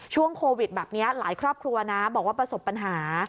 ช่วงโควิดแบบนี้หลายครอบครัวนะบอกว่าประสบปัญหา